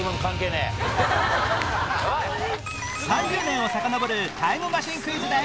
３０年をさかのぼるタイムマシンクイズで